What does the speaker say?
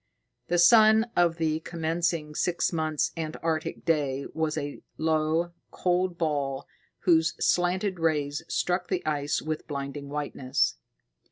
The sun of the commencing six months' Antarctic day was a low, cold ball whose slanted rays struck the ice with blinding whiteness.